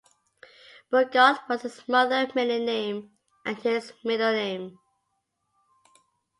Bogart was his mother's maiden name and his middle name.